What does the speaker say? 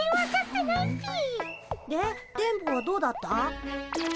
で電ボはどうだった？